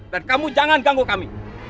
dan kamu jangan ganggu kami